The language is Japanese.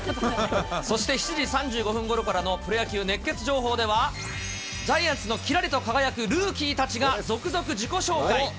そして７時３５分ごろからの、プロ野球熱ケツ情報では、ジャイアンツのきらりと輝くルーキーたちが続々自己紹介。